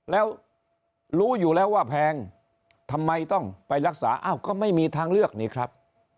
แล้วรู้อยู่แล้วว่าแพงทำไมต้องไปรักษาอ้าวก็ไม่มีทางเลือกนี่ครับ